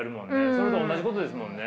それと同じことですもんね。